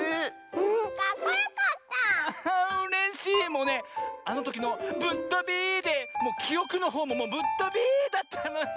もうねあのときのぶっとびでもうきおくのほうももうぶっとびだったのよ。